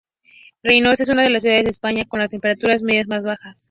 Reinosa es una de las ciudades de España con las temperaturas medias más bajas.